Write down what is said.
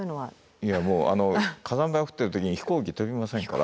いやもうあの火山灰降ってる時に飛行機飛びませんから。